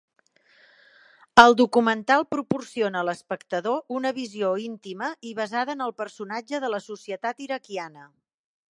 El documental proporciona a l'espectador una visió íntima i basada en el personatge de la societat iraquiana.